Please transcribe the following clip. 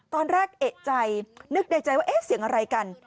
ตอนแรกเอกใจนึกในใจว่าเอ๊ะเสียงอะไรกัน